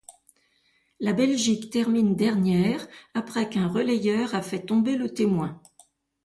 La Belgique termine dernière après qu'un relayeur a fait tomber le témoin.